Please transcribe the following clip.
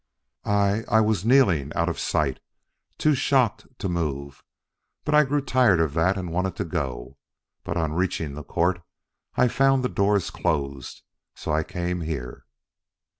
"I I was kneeling out of sight too shocked to move. But I grew tired of that and wanted to go; but on reaching the court, I found the doors closed. So I came here."